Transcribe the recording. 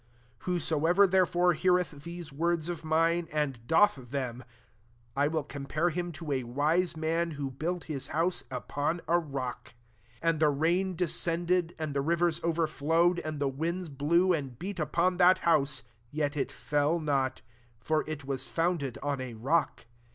*. 24 *f Whosoever thepefbre heareth these words of mine, and doth them, I inll compare him to a wise maq, who built l|is house upon a rock : 25 and 4ie rain descended, ai^d the rivers overflowed and the winds blew, and beat upon that house, yet it fell not : for it was found ed on a rock.